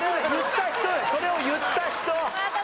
それを言った人だよ。